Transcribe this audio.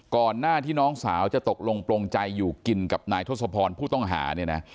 ก่อนหน้าที่น้องสาวจะตกลงปลงใจอยู่กินกับนายทศพรผู้ต้องหาเนี่ยนะ